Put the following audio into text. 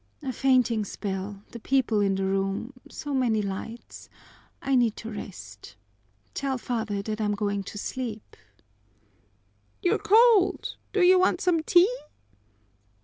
"A fainting spell the people in the room so many lights I need to rest. Tell father that I'm going to sleep." "You're cold. Do you want some tea?"